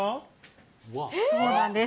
そうなんです。